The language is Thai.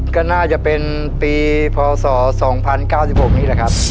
ก็น่าจะเป็นปีพศสองพันเก้าสิบหกนี้แหละครับ